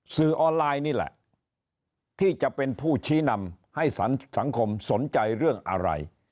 สื่อออนไลน์นี่แหละที่จะเป็นผู้ชี้นำให้สังคมสนใจเรื่องอะไร